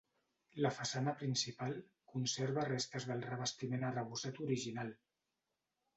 La façana principal conserva restes del revestiment arrebossat original.